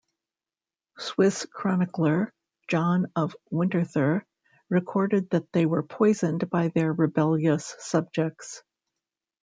Swiss chronicler John of Winterthur recorded that they were poisoned by their rebellious subjects.